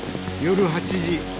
夜８時。